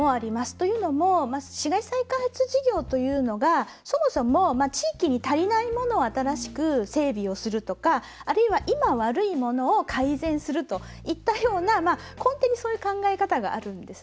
というのも市街再開発事業というのがそもそも、地域に足りないものを新しく整備をするとかあるいは、今悪いものを改善するといったような根底にそういう考えがあるんです。